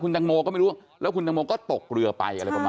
คุณตังโมก็ไม่รู้แล้วคุณตังโมก็ตกเรือไป